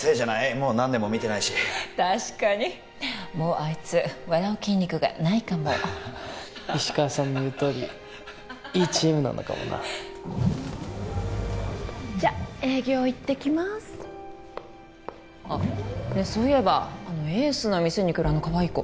もう何年も見てないし確かにもうあいつ笑う筋肉がないかも石川さんの言うとおりいいチームなのかもなじゃ営業行ってきますあっねっそういえばあのエースの店に来るあのカワイイ子